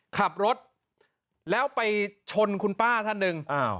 ขับรถแล้วไปชนคุณป้าท่านหนึ่ง